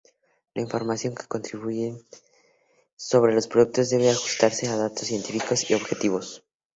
La información que distribuyan sobre los productos debe ajustarse a datos científicos y objetivos.